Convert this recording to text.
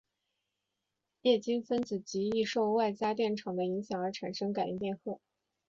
液晶分子极易受外加电场的影响而产生感应电荷。